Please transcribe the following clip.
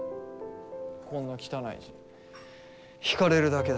こんな汚い字引かれるだけだし。